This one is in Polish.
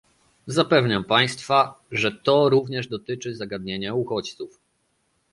Zapewniam Państwa, że to również dotyczy zagadnienia uchodźców